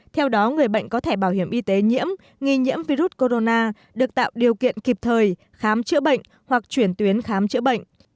theo đó người bệnh có thẻ bảo hiểm y tế nhiễm nghi nhiễm virus corona được tạo điều kiện kịp thời khám chữa bệnh hoặc chuyển tuyến khám chữa bệnh